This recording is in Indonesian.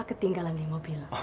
ketinggalan di mobil